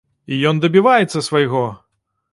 І ён дабіваецца свайго!